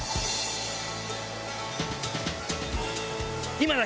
今だ！